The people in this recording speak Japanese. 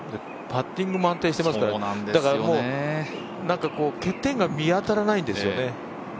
パッティングも安定してますからだから、欠点が見当たらないんですよね。